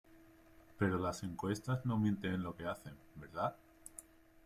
Pero las encuestas no mienten en lo que hacen ¿Verdad?".